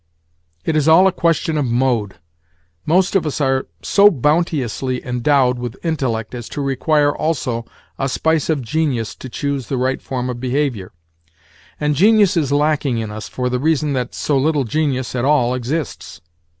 It is all a question of mode. Most of us are so bounteously endowed with intellect as to require also a spice of genius to choose the right form of behaviour. And genius is lacking in us for the reason that so little genius at all exists.